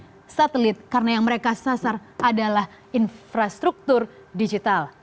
ini adalah satelit karena yang mereka sasar adalah infrastruktur digital